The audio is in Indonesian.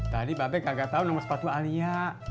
tadi bapak nggak tau nombor sepatu alia